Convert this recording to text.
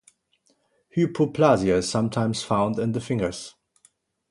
Hypoplasia is sometimes found in the fingers.